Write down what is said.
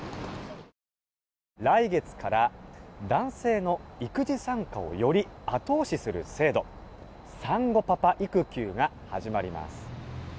来月から男性の育児参加をより後押しする制度産後パパ育休が始まります。